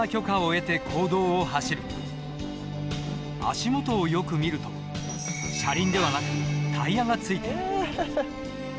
足元をよく見ると車輪ではなくタイヤがついている。